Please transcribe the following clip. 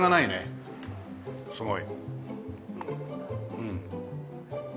うん。